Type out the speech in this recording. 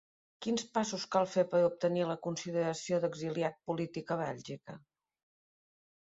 Quins passos cal fer per obtenir la consideració d’exiliat polític a Bèlgica?